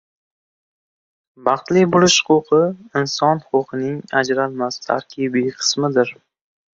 Baxtli bo‘lish huquqi inson huquqining ajralmas tarkibiy qismidir.